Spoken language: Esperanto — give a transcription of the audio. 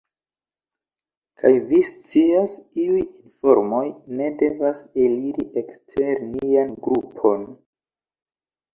Kaj vi scias, iuj informoj ne devas eliri ekster nian grupon.